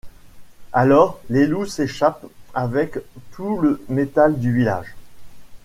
Alors les loups s'échappent avec tout le métal du village.